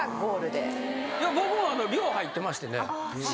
僕も寮入ってましてね。